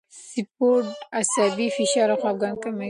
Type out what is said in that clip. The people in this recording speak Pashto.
سپورت عصبي فشار او خپګان کموي.